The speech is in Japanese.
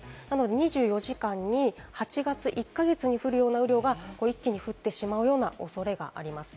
２４時間に８月の１か月に降るような雨量が一気に降ってしまうような恐れがあります。